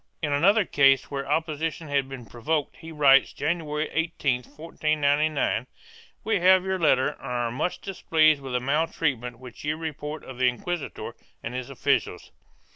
In another case where opposition had been provoked he writes, January 18, 1499, "We have your letter and are much displeased with the maltreatment which you report of the inquisitor and his officials.